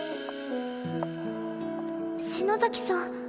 篠崎さん。